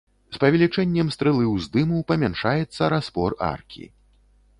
З павелічэннем стрэлы ўздыму памяншаецца распор аркі.